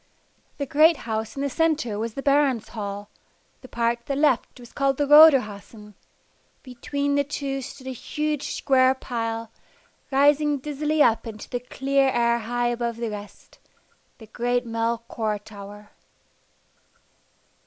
The great house in the centre was the Baron's Hall, the part to the left was called the Roderhausen; between the two stood a huge square pile, rising dizzily up into the clear air high above the rest the great Melchior Tower.